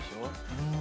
うん。